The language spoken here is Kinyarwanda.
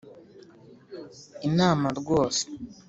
inama rwose